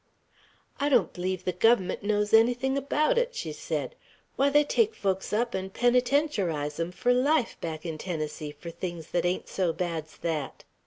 "I don't bleeve the Guvvermunt knows anything about it." she said. "Why, they take folks up, n'n penetentiarize 'em fur life, back 'n Tennessee, fur things thet ain't so bad's thet!